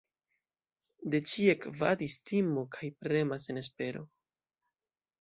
De ĉie gvatis timo kaj prema senespero.